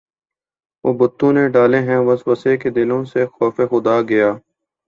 وہ بتوں نے ڈالے ہیں وسوسے کہ دلوں سے خوف خدا گیا